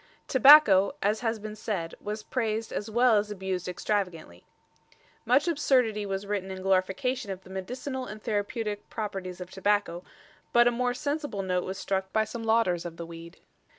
Tobacco, as has been said, was praised as well as abused extravagantly. Much absurdity was written in glorification of the medicinal and therapeutic properties of tobacco, but a more sensible note was struck by some lauders of the weed.